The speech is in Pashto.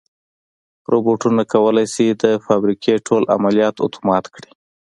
روبوټونه کولی شي د فابریکې ټول عملیات اتومات کړي.